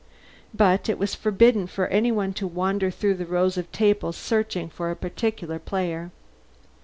But it was forbidden for anyone to wander through the rows of tables searching for a particular player.